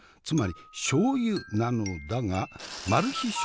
つまりしょう油なのだがマル秘